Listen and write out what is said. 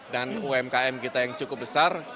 dan umkm kita yang cukup besar